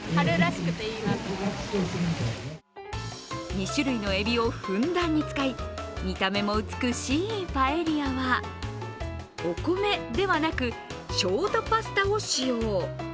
２種類のえびをふんだんに使い見た目も美しいパエリアはお米ではなく、ショートパスタを使用。